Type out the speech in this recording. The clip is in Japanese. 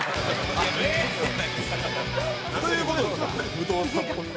武藤さん。